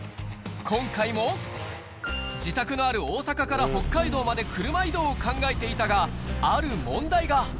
今回も自宅のある大阪から北海道まで車移動を考えていたが、ある問題が。